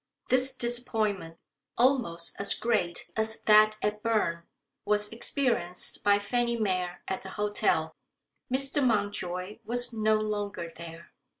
This disappointment almost as great as that at Berne was experienced by Fanny Mere at the hotel. Mr. Mountjoy was no longer there.